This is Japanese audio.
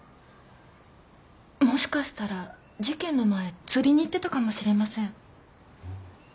もしかしたら事件の前釣りに行ってたかもしれません。